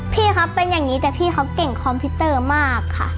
พี่ครับเป็นอย่างนี้แต่พี่เขาเก่งคอมพิวเตอร์มากค่ะ